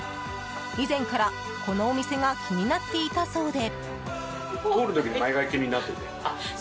以前からこのお店が気になっていたそうで。